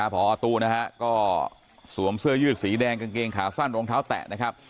พอตู้สวมเสื้อยืดสีแดงกางเกงขาสั้นรองเท้าแตะ